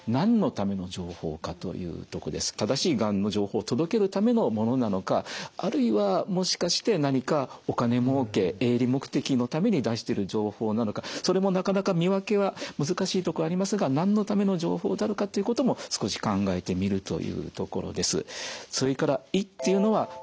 正しいがんの情報を届けるためのものなのかあるいはもしかして何かお金もうけ営利目的のために出してる情報なのかそれもなかなか見分けは難しいとこありますがなんのための情報であるかということも少し考えてみるというところです。